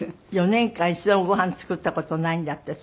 ４年間一度もご飯作った事ないんだって。